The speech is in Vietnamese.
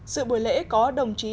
sự buổi lễ có đồng chí